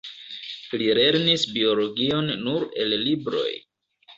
Li lernis biologion nur el libroj.